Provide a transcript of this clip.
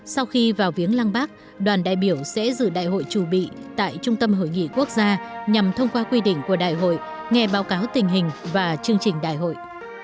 sau khi vào viếng lăng bác đoàn đại biểu sẽ dự đại hội trù bị tại trung tâm hội nghị quốc gia nhằm thông qua quy định của đại hội nghe báo cáo tình hình và chương trình đại hội